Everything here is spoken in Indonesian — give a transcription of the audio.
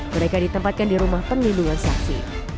mereka ditempatkan di rumah perlindungan saksi